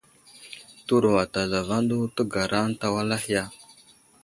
Təwuro ata zlavaŋ ɗu təgara ənta wal ahe ya ?